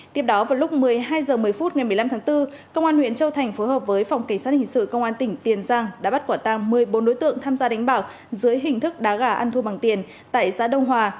tiếp đó vào lúc một mươi hai h một mươi phút ngày một mươi năm tháng bốn công an huyện châu thành phối hợp với phòng cảnh sát hình sự công an tỉnh tiền giang đã bắt quả tàng một mươi bốn đối tượng tham gia đánh bạc dưới hình thức đá gà ăn thua bằng tiền tại xã đông hòa